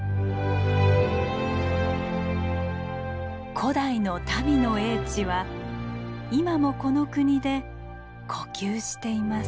古代の民の英知は今もこの国で呼吸しています。